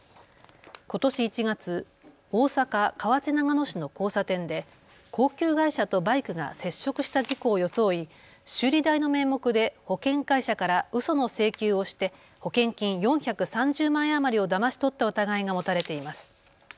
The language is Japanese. ことし１月、大阪河内長野市の交差点で高級外車とバイクが接触した事故を装い、修理代の名目で保険会社からうその請求をして保険金４３０万円余りをだまし取った疑いが持たれています。